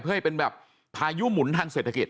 เพื่อให้เป็นแบบพายุหมุนทางเศรษฐกิจ